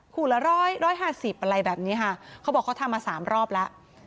ละร้อยร้อยห้าสิบอะไรแบบนี้ค่ะเขาบอกเขาทำมาสามรอบแล้ว